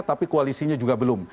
tapi koalisinya juga belum